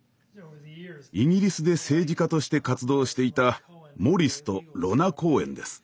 イギリスで政治家として活動していたモリスとロナ・コーエンです。